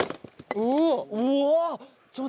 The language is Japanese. うわっ